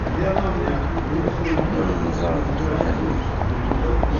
Ad nemmẓer deg tnarit.